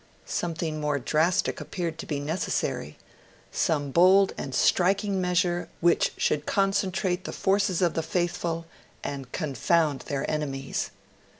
Something more drastic appeared to be necessary some bold and striking measure which should concentrate the forces of the faithful, and confound their enemies.